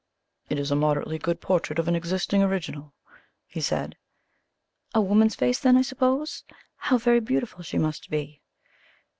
"It is a moderately good portrait of an existing original," he said. "A woman's face then, I suppose? How very beautiful she must be!"